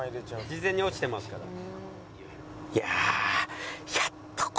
「事前に落ちてますから」